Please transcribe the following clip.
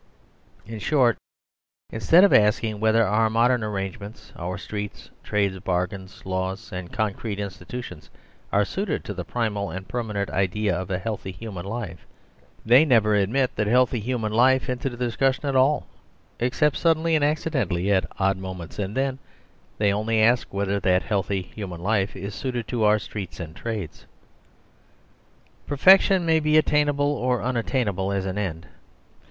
In short, instead of asking whether our modern arrangements, our streets, trades, bargains, laws, and concrete institutions are suited to the primal and permanent idea of a healthy human life, they never admit that healthy human life into the discussion at all, except suddenly and accidentally at odd moments; and then they only ask whether that healthy human life is suited to our streets and trades. Perfection may be attainable or unattainable as an end.